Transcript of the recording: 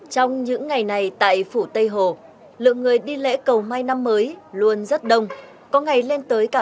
trong những ngày này tại phủ tây hồ lượng người đi lễ cầu mai năm mới luôn rất đông có ngày lên tới cả